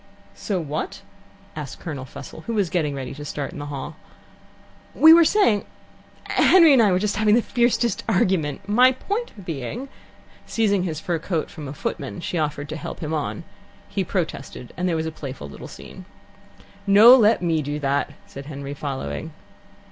"So what?" asked Colonel Fussell, who was getting ready to start in the hall. "We were saying Henry and I were just having the fiercest argument, my point being " Seizing his fur coat from a footman, she offered to help him on. He protested, and there was a playful little scene. "No, let me do that," said Henry, following.